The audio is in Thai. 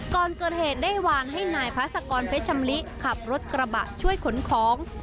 ก่อนเกิดเหตุได้วางให้นายพาสกรเพชรชำลิขับรถกระบะช่วยขนของ